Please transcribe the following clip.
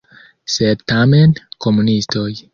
Sed tamen komunistoj.